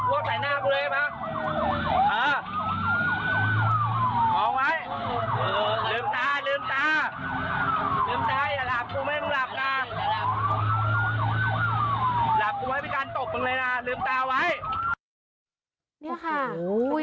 หอมไว้ลืมตาลืมตาลืมตาอย่าหลับกูไม่ต้องหลับนานหลับกูไว้พี่กัลตบกันเลยน่ะลืมตาไว้